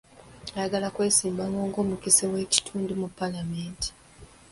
Ayagala kwesimbawo ng'omukiise w'ekitundu mu paalamenti.